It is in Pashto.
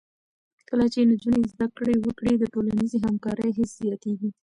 کله چې نجونې زده کړه وکړي، د ټولنیزې همکارۍ حس زیاتېږي.